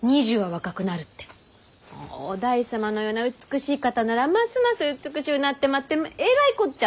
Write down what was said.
於大様のような美しい方ならますます美しゅうなってまってえらいこっちゃ！